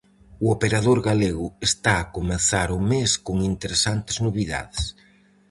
O operador galego está a comezar o mes con interesantes novidades.